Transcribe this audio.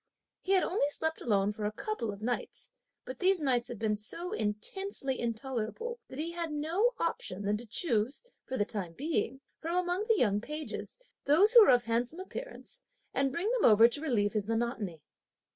He had only slept alone for a couple of nights, but these nights had been so intensely intolerable that he had no option than to choose, for the time being, from among the young pages, those who were of handsome appearance, and bring them over to relieve his monotony.